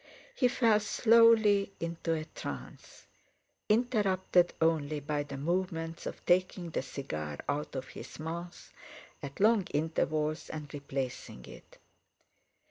He fell slowly into a trance, interrupted only by the movements of taking the cigar out of his mouth at long intervals, and replacing it.